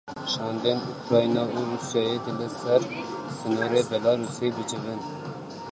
Şandên Ukrayna û Rûsyayê dê li ser sînorê Belarûsê bicivin.